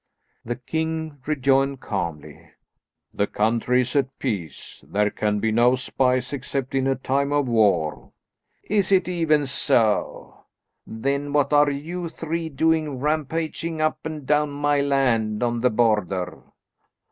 The king rejoined calmly, "The country is at peace. There can be no spies except in a time of war." "Is it even so? Then what are you three doing rampaging up and down my land on the Border?"